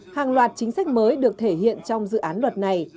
hàng loạt chính sách mới được thể hiện trong dự án luật này